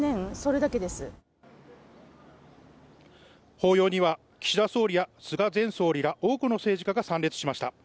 法要には、岸田総理や菅前総理ら多くの政治家が参列しました。